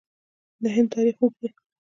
د هند تاریخ اوږد دی.